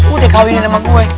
udah kawinin sama gue